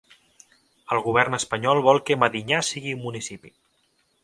El govern espanyol Vol que Medinyà sigui un municipi